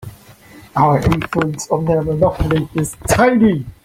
Our influence on their monopoly is tiny.